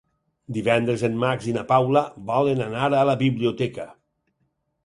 Divendres en Max i na Paula volen anar a la biblioteca.